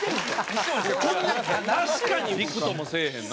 確かにビクともせえへんな。